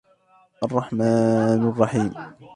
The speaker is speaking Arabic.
الرحمن الرحيم